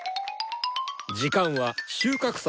時間は収穫祭